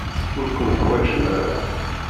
Ur ken-ḥwajen ara.